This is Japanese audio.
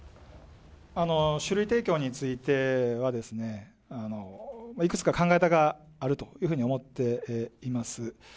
酒類提供については、いくつか考え方があるというふうに思っています。